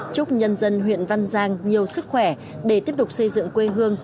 chúc nhân dân huyện văn giang nhiều sức khỏe để tiếp tục xây dựng quê hương